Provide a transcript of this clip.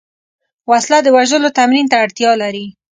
وسله د وژلو تمرین ته اړتیا لري